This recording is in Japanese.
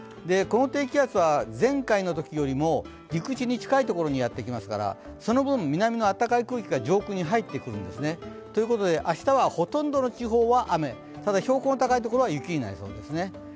この低気圧は前回のときよりも陸地に近い所にやってきますからその分、南の暖かい空気が上空に入ってくるんですね。ということで、明日はほとんどの地方は雨、ただ、標高の高い所は雪になりそうです。